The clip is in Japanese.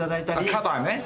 カバーね。